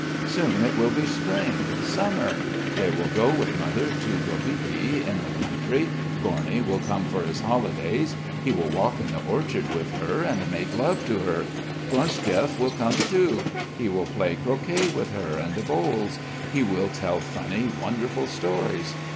Soon it will be spring, summer. They will go with mother to Gorbiki in the country. Gorny will come for his holidays. He will walk in the orchard with her, and make love to her. Gronsdiev will come too. He will play croquet with her and bowls. He will tell funny, wonderful stories.